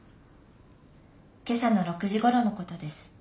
今朝の６時ごろの事です。